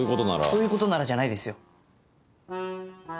そういうことならじゃないですよ。